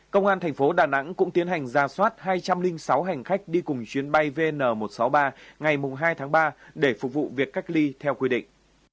công an thành phố đà nẵng cũng tiến hành ra soát hai trăm linh sáu hành khách đi cùng chuyến bay vn một trăm sáu mươi ba ngày hai tháng ba để phục vụ việc cách ly theo quy định